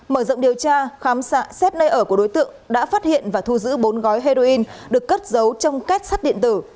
mở rộng điều tra khám xét nơi ở của đối tượng đã phát hiện và thu giữ bốn gói heroin được cất giấu trong kết sắt điện tử